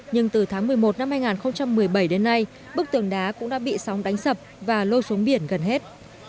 nhưng từ tháng một mươi một năm hai nghìn một mươi bảy đến nay bức tường đá cũng đã bị sóng đánh sập và lôi xuống biển gần hết